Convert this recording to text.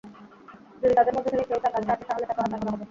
যদি তাদের মধ্য থেকে কেউ তাঁর কাছে আসে তাহলে তাকে হত্যা করা হবে।